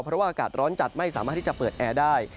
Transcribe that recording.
เพราะว่าอากาศร้อนจัดไม่สามารถที่จะเปิดแอร์ได้